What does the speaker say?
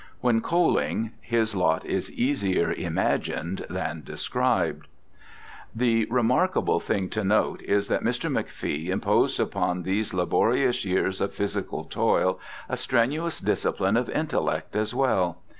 When coaling, his lot is easier imagined than described. The remarkable thing to note is that Mr. McFee imposed upon these laborious years of physical toil a strenuous discipline of intellect as well.